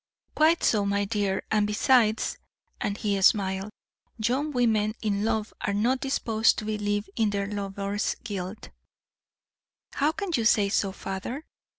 "Quite so, my dear; and besides," and he smiled, "young women in love are not disposed to believe in their lovers' guilt." "How can you say so, father?"